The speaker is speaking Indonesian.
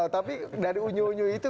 tapi dari unyu unyu itu